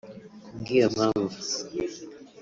Kubw’iyo mpamvu